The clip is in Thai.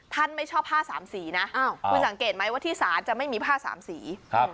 ไม่ชอบผ้าสามสีนะอ้าวคุณสังเกตไหมว่าที่ศาลจะไม่มีผ้าสามสีครับ